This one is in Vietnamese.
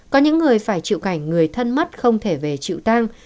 có những người phải chịu cảnh người thân mất không thể về chịu tăng